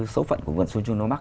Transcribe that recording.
số phận của vườn xuân trung nam bắc